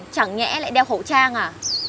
chẳng nhẽ lại đeo khẩu trang à